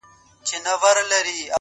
هوښیار انتخاب راتلونکې اندېښنې کموي,